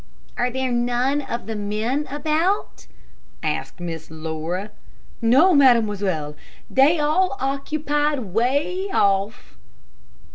"Are there none of the men about?" asked Miss Laura. "No, mademoiselle. Dey all occupied way off."